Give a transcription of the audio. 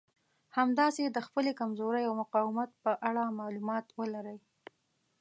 همداسې د خپلې کمزورۍ او مقاومت په اړه مالومات ولرئ.